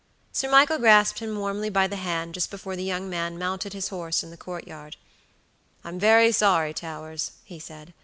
Sir Michael grasped him warmly by the hand just before the young man mounted his horse in the court yard. "I'm very sorry, Towers," he said.